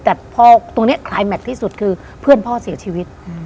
แต่พอตรงนี้คลายแม็กซที่สุดคือเพื่อนพ่อเสียชีวิต